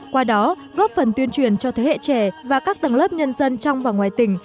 qua đó góp phần tuyên truyền cho thế hệ trẻ và các tầng lớp nhân dân trong và ngoài tỉnh